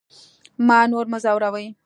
ما نور مه ځوروئ